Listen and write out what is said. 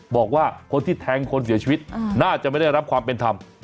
บอกว่าคนที่แทงคนเสียชีวิตน่าจะไม่ได้รับความเป็นธรรม